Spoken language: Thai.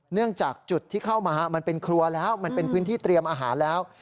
เนื่องจากจุดที่เข้ามามันเป็นครัวแล้วมันเป็นพื้นที่เตรียมอาหารแล้ว